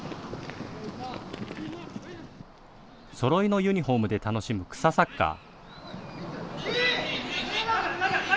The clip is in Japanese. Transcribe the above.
そろいのユニフォームで楽しむ草サッカー。